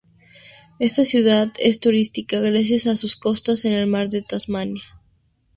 Esta ciudad es turística gracias a sus costas en el mar de Tasmania.